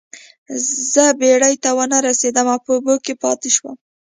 زه بیړۍ ته ونه رسیدم او په اوبو کې پاتې شوم.